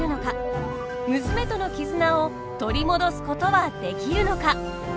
娘との絆を取り戻すことはできるのか。